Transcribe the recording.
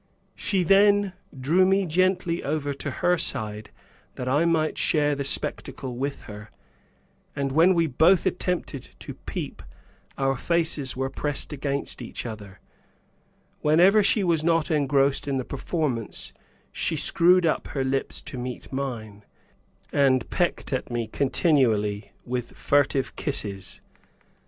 She then drew me gently over to her side that I might share the spectacle with her, and when we both attempted to peep our faces were pressed against each other; whenever she was not engrossed in the performance, she screwed up her lips to meet mine, and pecked at me continually with furtive kisses.